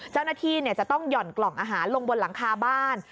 เจ้าหน้าที่จะต้องห่อนกล่องอาหารลงบนหลังคาบ้าน